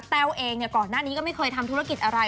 เองก่อนหน้านี้ก็ไม่เคยทำธุรกิจอะไร